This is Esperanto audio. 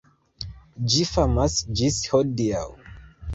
Ĝi famas ĝis hodiaŭ.